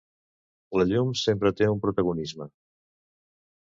La llum sempre té un protagonisme.